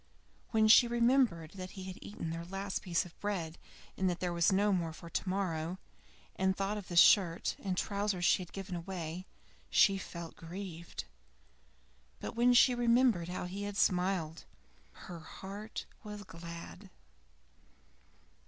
When she remembered that he had eaten their last piece of bread and that there was none for tomorrow, and thought of the shirt and trousers she had given away, she felt grieved; but when she remembered how he had smiled, her heart was glad.